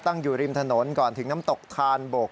อยู่ริมถนนก่อนถึงน้ำตกทานบก